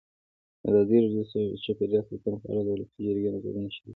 ازادي راډیو د چاپیریال ساتنه په اړه د ولسي جرګې نظرونه شریک کړي.